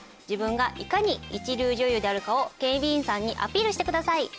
自分がいかに一流女優であるかを警備員さんにアピールしてください。